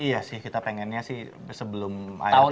iya sih kita pengennya sih sebelum tahun ini